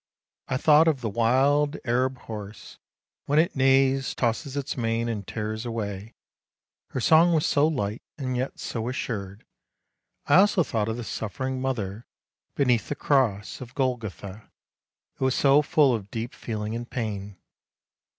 I thought of the wild Arab horse, when it neighs, tosses its mane, and tears away — her song was so light and yet so assured. I also thought of the suffering mother beneath the cross of Golgotha, it was so full of deep feeling and pain.